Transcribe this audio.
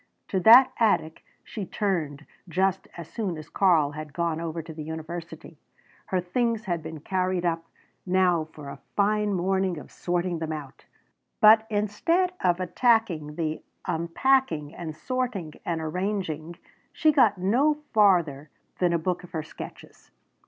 To that attic she turned just as soon as Karl had gone over to the university. Her things had been carried up; now for a fine morning of sorting them out! But instead of attacking the unpacking and sorting and arranging she got no farther than a book of her sketches.